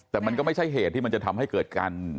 แต่มันก็ไม่ใช่เหตุที่มันจะทำให้เกิดการ